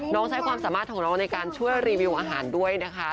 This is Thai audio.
ใช้ความสามารถของน้องในการช่วยรีวิวอาหารด้วยนะคะ